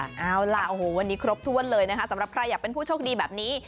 เอาล่ะโอ้โหวันนี้ครบถ้วนเลยนะคะสำหรับใครอยากเป็นผู้โชคดีแบบนี้